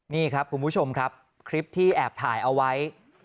นี่ครับคุณผู้ชมครับคลิปที่แอบถ่ายเอาไว้